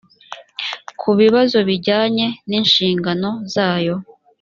ku bibazo bijyanye n’inshingano zayo